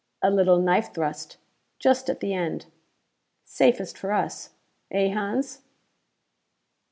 A little knife thrust, just at the end! Safest for us, eh, Hans?"